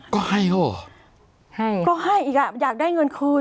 ก็ให้เขาเหรอให้ก็ให้อีกอ่ะอยากได้เงินคืน